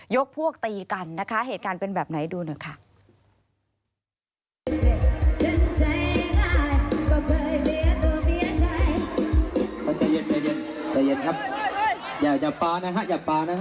พวกตีกันนะคะเหตุการณ์เป็นแบบไหนดูหน่อยค่ะ